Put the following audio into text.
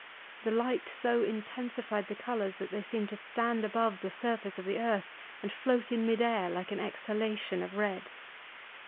The light so intensified the colours that they seemed to stand above the surface of the earth and float in mid air like an exhalation of red.